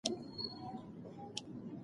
دا واقعه په رښتیا هم ډېره په زړه پورې ده.